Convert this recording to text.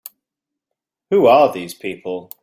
Who are these people?